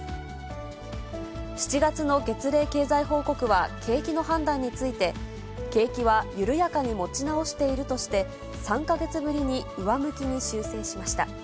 ７月の月例経済報告は、景気の判断について、景気は緩やかに持ち直しているとして、３か月ぶりに上向きに修正しました。